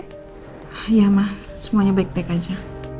iya ma semuanya baik baik aja